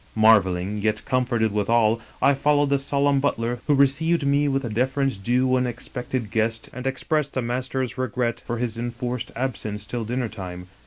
" Marveling, yet comforted withal, I followed the solemn butler, who received me with the deference due to an expected guest and expressed the master's regret for his enforced absence till dinner time.